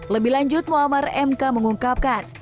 lebih lanjut muammar mk mengungkapkan